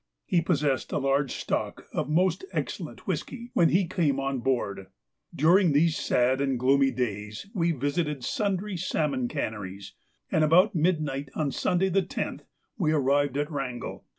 He possessed a large stock of most excellent whisky when he came on board. During these sad and gloomy days we visited sundry salmon canneries, and about midnight on Sunday the 10th we arrived at Wrangel.